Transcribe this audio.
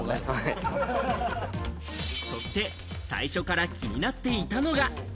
そして、最初から気になっていたのが。